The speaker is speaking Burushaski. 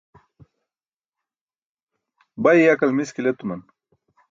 bay yakal miskil etuman